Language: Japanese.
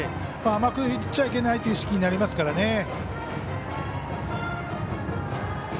甘くいっちゃいけないという意識になりますからね。